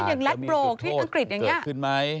อย่างลาดบโบร์กที่อังกฤษอย่างนี้